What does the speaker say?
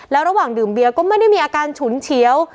แล้วระหว่างดื่มเบียก็ไม่ได้มีอาการฉุนเฉียว